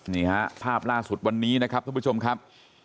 นี่ฮะภาพล่าสุดวันนี้นะครับท่านผู้ชมครับ